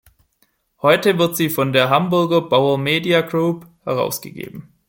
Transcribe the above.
Heute wird sie von der Hamburger Bauer Media Group herausgegeben.